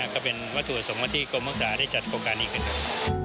ก็เป็นวัตถุสมที่กรมศึกษาได้จัดโครงการอีกครั้ง